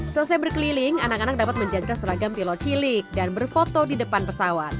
selesai berkeliling anak anak dapat menjaga seragam pilot cilik dan berfoto di depan pesawat